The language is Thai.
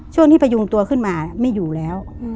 ช่วงที่พยุงตัวขึ้นมาไม่อยู่แล้ว